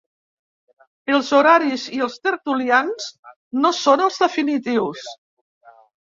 Els horaris i els tertulians no són els definitius.